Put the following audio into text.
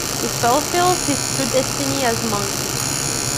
This fulfils his true destiny as Monkey.